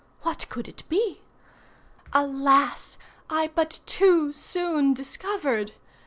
What could it be? Alas! I but too soon discovered.